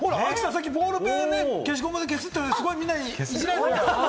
さっきボールペンね、消しゴムで消すってみんなにいじられてましたけど。